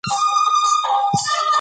که دنده وانخلي، کور کې به ډوډۍ نه وي.